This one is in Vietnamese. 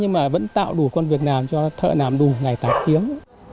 cũng tạo đủ con việc làm cho thợ làm đủ ngày tác kiếm